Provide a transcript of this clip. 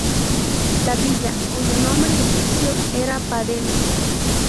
La villa, cuyo nombre egipcio era "Pa Demi"